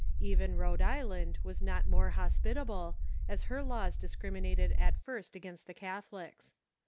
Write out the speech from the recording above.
Even Rhode Island was not more hospitable, as her laws dis criminated at first against the Catholics.